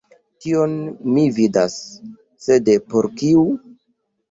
Tion mi vidas..., sed por kiu?